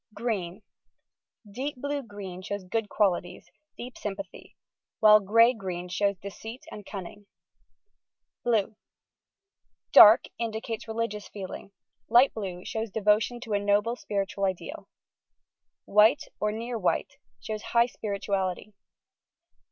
Green: deep blue green shows good qualities, deep sympathy, while grey green shows deceit and cunning. Bluet dark, indicates re ligious feeling; light blue shows devotion to a noble spiritual ideal. White or near white, shows high spirit uality.